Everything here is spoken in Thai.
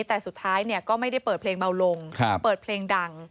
แต่สุดท้ายก็ไม่ได้เปิดเพลงเบาลงเปิดเพลงดัง